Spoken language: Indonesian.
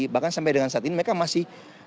bahkan sampai dengan saat ini mereka masih